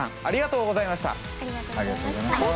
ありがとうございます。